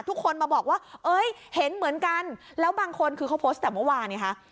ทุกคนมาบอกว่าเอ้ยเห็นเหมือนกันแล้วบางคนคือเขาโพสต์แต่เมื่อวานไงคะ